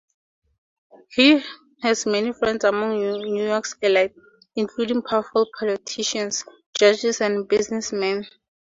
He has many friends among New York's elite, including powerful politicians, judges, and businessmen.